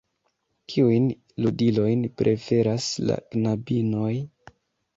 Kiujn ludilojn preferas la knabinoj?